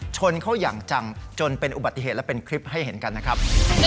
ชนเขาอย่างจังจนเป็นอุบัติเหตุและเป็นคลิปให้เห็นกันนะครับ